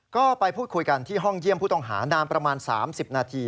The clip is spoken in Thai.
ก็ไปพูดคุยกันที่ห้องเยี่ยมผู้ต้องหานานประมาณ๓๐นาที